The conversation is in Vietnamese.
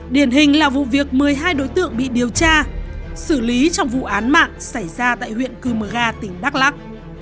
điển hình là vụ việc một mươi hai đối tượng bị điều tra xử lý trong vụ án mạng xảy ra tại huyện cư mờ ga tỉnh đắk lắc